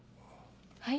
はい？